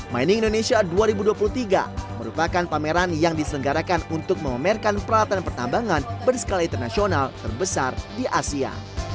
mining indonesia dua ribu dua puluh tiga merupakan pameran yang diselenggarakan untuk memamerkan peralatan pertambangan berskala internasional terbesar di asia